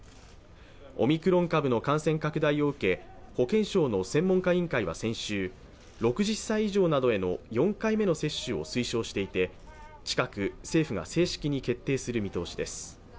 オミクロン株の感染拡大を受け、保健省の専門家委員会は先週６０歳以上などへの４回目の接種を推奨していて近く、政府が正式に決定する見通しです。